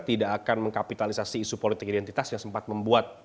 tidak akan mengkapitalisasi isu politik identitas yang sempat membuat